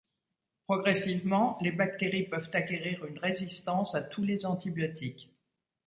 Progressivement, les bactéries peuvent acquérir une résistance à tous les antibiotiques.